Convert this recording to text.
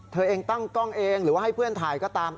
เธอเองตั้งกล้องเองหรือว่าให้เพื่อนถ่ายก็ตาม